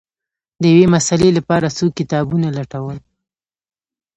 د یوې مسألې لپاره څو کتابونه لټول